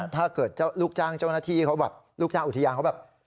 ถ้าเกิดเจ้าลูกจ้างเจ้าหน้าที่เขาแบบลูกจ้างอุทยานเขาแบบ